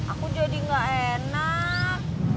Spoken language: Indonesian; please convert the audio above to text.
aku jadi nggak enak